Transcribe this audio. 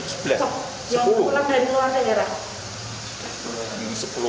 yang keperluan dari luar daerah